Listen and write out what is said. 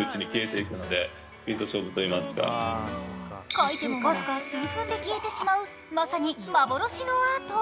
描いても僅か数分で消えてしまう、まさに幻のアート。